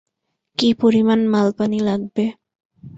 কী পরিমাণ মালপানি লাগবে?